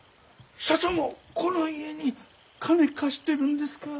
社長もこの家に金貸してるんですか？